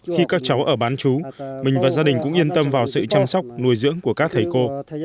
khi các cháu ở bán chú mình và gia đình cũng yên tâm vào sự chăm sóc nuôi dưỡng của các thầy cô